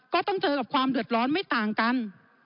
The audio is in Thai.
ก็ต้องเจอกับความเดือดร้อนไม่ต่างกัน